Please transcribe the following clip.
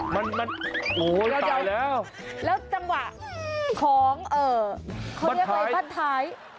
มันโอ้โฮตายแล้วแล้วจังหวะของเอ่อเขาเรียกอะไรบัดท้าย